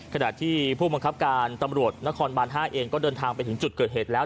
ขณะที่ผู้บังคับการตำรวจนครบาน๕เองก็เดินทางไปถึงจุดเกิดเหตุแล้ว